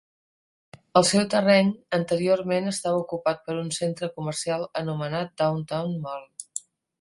El seu terreny anteriorment estava ocupat per un centre comercial anomenat Downtown Mall.